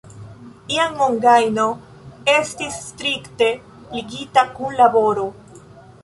Iam mongajno estis strikte ligita kun laboro.